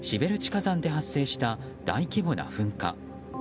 火山で発生した大規模な噴火。